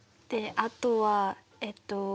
であとはえっと